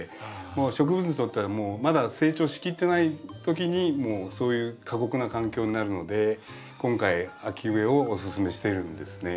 もう植物にとってはまだ成長しきってない時にもうそういう過酷な環境になるので今回秋植えをおすすめしてるんですね。